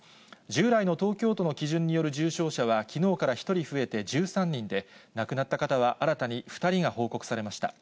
従来の東京都の基準による重症者は、きのうから１人増えて１３人で、亡くなった方は新たに２人が報告されました。